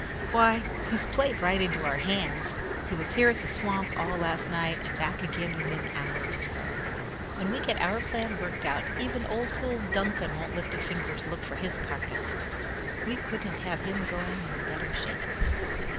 Why, he's played right into our hands. He was here at the swamp all last night, and back again in an hour or so. When we get our plan worked out, even old fool Duncan won't lift a finger to look for his carcass. We couldn't have him going in better shape."